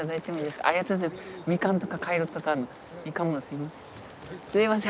すいません